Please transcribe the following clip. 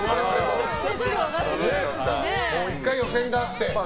もう１回予選があって。